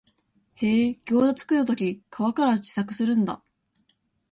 へえ、ギョウザ作るとき皮から自作するんだ